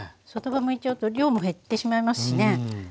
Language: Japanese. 外葉むいちゃうと量も減ってしまいますしね。